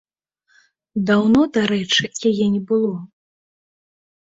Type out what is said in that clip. Даўно, дарэчы, яе не было.